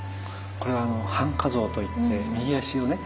これ半跏像と言って右足をね